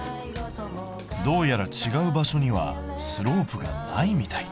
どうやら違う場所にはスロープがないみたい。